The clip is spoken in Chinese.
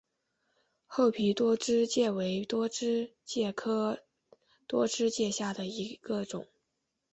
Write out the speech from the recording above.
厚皮多枝介为多枝介科多枝介属下的一个种。